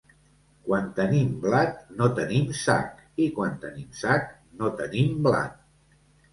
Quan tenim blat no tenim sac i quan tenim sac, no tenim blat.